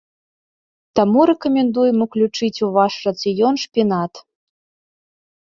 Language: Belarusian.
Таму рэкамендуем уключыць у ваш рацыён шпінат.